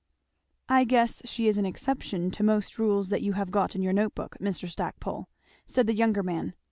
"I guess she is an exception to most rules that you have got in your note book, Mr. Stackpole," said the younger man.